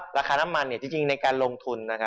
ราคาน้ำมันจริงในการลงทุน